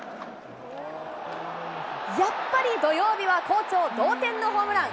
やっぱり土曜日は好調、同点のホームラン。